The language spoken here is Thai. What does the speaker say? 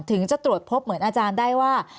ถึงจะตรวจพบเหมือนอาจารย์ได้ว่า